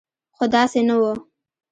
خو داسې نه و.